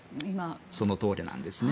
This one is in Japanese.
そのとおりなんですね。